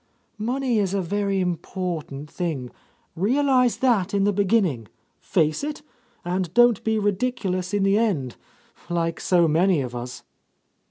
Money is a very important thing. Realize that in the beginning; face it, and don't be ridiculous in the end, like so many of us."